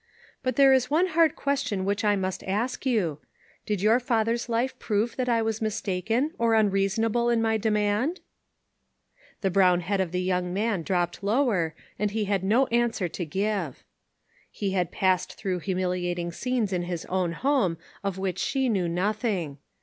But there is one hard question which I must ask you. Did your father's life prove that I was mistaken, or unreasonable in my demand ?* The brown head of the young man dropped lower, and he had no answer to give. He had passed through humiliating scenes in his own home of which she knew nothing.